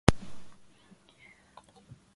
ひと目で、尋常でないもふもふだと見抜いたよ